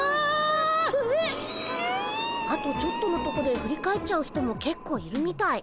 あとちょっとのとこで振り返っちゃう人もけっこういるみたい。